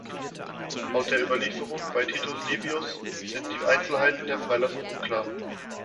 Laut der Überlieferung bei Titus Livius sind die Einzelheiten der Freilassung unklar.